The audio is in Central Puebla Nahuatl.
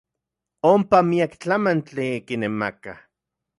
Onpa miak tlamantli kinemakaj.